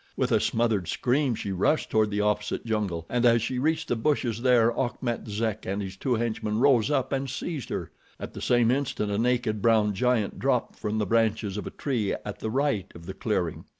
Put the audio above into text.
With a smothered scream she rushed toward the opposite jungle, and as she reached the bushes there, Achmet Zek and his two henchmen rose up and seized her. At the same instant a naked, brown giant dropped from the branches of a tree at the right of the clearing.